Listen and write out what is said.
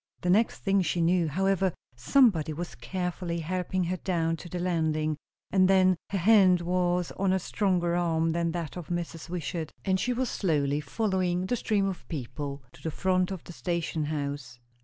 The next thing she knew, however, somebody was carefully helping her down to the landing; and then, her hand was on a stronger arm than that of Mrs. Wishart, and she was slowly following the stream of people to the front of the station house.